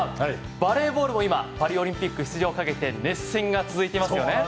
バレーボールも今パリオリンピック出場を懸けて熱戦が続いてますよね。